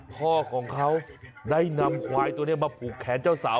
พ่อของเขาได้นำควายตัวนี้มาผูกแขนเจ้าสาว